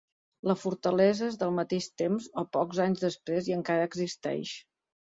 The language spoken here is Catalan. La fortalesa és del mateix temps o pocs anys després i encara existeix.